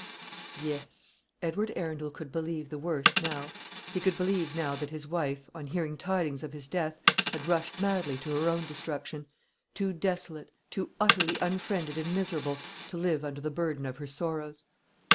Yes; Edward Arundel could believe the worst now. He could believe now that his young wife, on hearing tidings of his death, had rushed madly to her own destruction; too desolate, too utterly unfriended and miserable, to live under the burden of her sorrows.